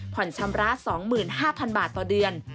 ชำระ๒๕๐๐๐บาทต่อเดือน